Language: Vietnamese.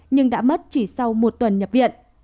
nhưng đã mất chỉ sau một tuần nhập viện